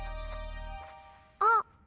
あっ！